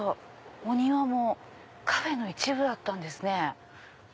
お庭もカフェの一部だったんですね。